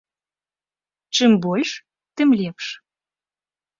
Чым больш, тым лепш.